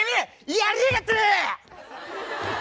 やりやがったな！